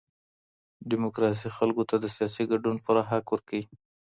ډيموکراسي خلګو ته د سياسي ګډون پوره حق ورکوي.